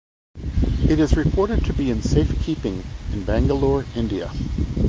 It is reported to be in safe keeping in Bangalore, India.